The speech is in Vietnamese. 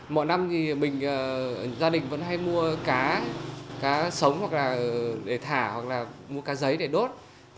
mọi năm thì mình gia đình vẫn hay mua cá cá sống hoặc là để thả hoặc là mua cá giấy để đốt